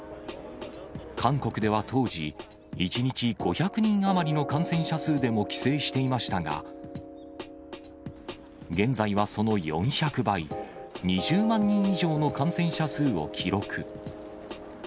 韓国では当時、１日５００人余りの感染者数でも規制していましたが、現在はその４００倍、２０万人以上の感染者数を記録。